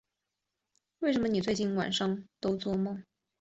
为什么你最近晚上都作梦